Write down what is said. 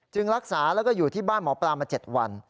รักษาแล้วก็อยู่ที่บ้านหมอปลามา๗วัน